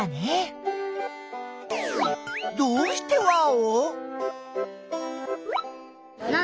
どうしてワオ？